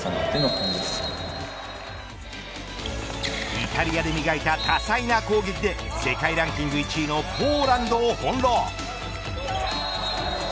イタリアで磨いた多彩な攻撃で世界ランキング１位のポーランドをほんろう。